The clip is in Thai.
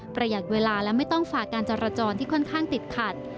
ประหยัดเวลาและไม่ต้องฝากการจราจรที่ค่อนข้างติดขัด